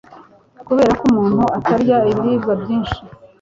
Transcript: kubera ko umuntu atarya ibiribwa byinshi